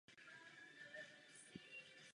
Hnutí používá pro svoji prezentaci sociální sítě.